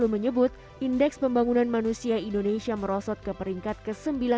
menyebut indeks pembangunan manusia indonesia merosot ke peringkat ke sembilan belas